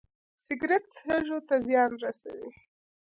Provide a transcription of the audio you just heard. سګرټ سږو ته زیان رسوي